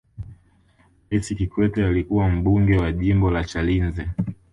raisi kikwete alikuwa mbunge wa jimbo la chalinze